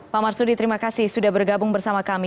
pak marsudi terima kasih sudah bergabung bersama kami